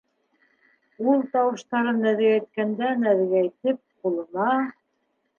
Ул, тауыштарын нәҙегәйткәндән-нәҙегәйтеп, ҡулына